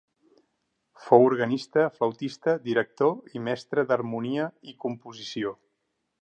Fou organista, flautista, director i mestre d'harmonia i composició.